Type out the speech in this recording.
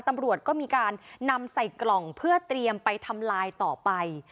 ตำรวจก็มีการนำใส่กล่องเพื่อเตรียมไปทำลายต่อไป